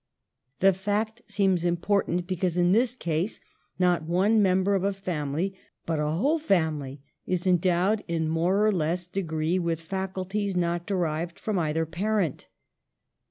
The fact seems im portant ; because in this case not one member of a family, but a whole family, is endowed in more or less degree with faculties not derived from either parent.